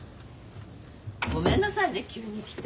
ごめんなさいね急に来て。